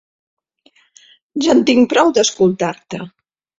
Ja en tinc prou, d'escoltar-te!